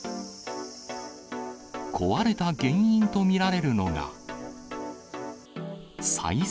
壊れた原因と見られるのが。